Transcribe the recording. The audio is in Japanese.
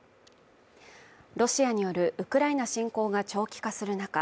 ロシアによるウクライナ侵攻が長期化する中